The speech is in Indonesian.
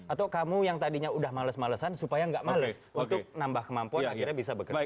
atau kamu yang tadinya udah males malesan supaya nggak males untuk nambah kemampuan akhirnya bisa bekerja